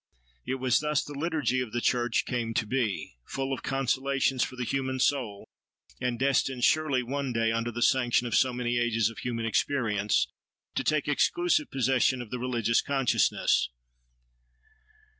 It was thus the liturgy of the church came to be—full of consolations for the human soul, and destined, surely! one day, under the sanction of so many ages of human experience, to take exclusive possession of the religious consciousness.